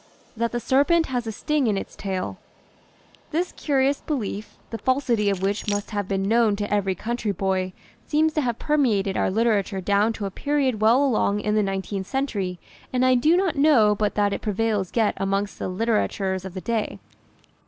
THAT THE SERPENT HAS A STING IN ITS TAIL HIS curious belief, the falsity of which must have been known to every country boy, seems to have permeated our literature down to a period well along in the nineteenth century, and I do not know but that it prevails yet amongst the litterateurs of the day.